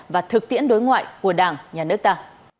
và thực tiễn đối ngoại của đảng nhà nước ta